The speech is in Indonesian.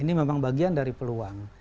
ini memang bagian dari peluang